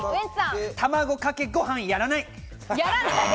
卵かけご飯やらない。